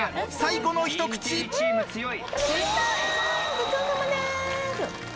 ごちそうさまです。